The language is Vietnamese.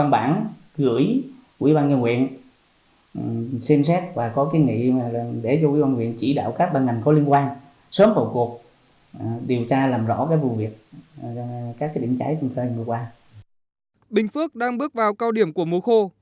bình phước đang bước vào cao điểm của mùa khô